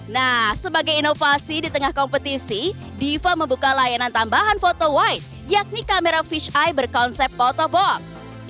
nah sebagai inovasi di tengah kompetisi diva membuka layanan tambahan foto wide yakni kamera fisheye berkonsep fotobox